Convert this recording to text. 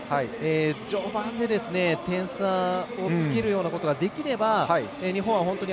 序盤で点差をつけるようなことができれば日本は本当に